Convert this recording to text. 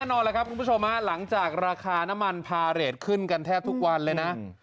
แน่นอนแล้วครับคุณผู้ชมฮะหลังจากราคาน้ำมันพาเรทขึ้นกันแทบทุกวันเลยนะ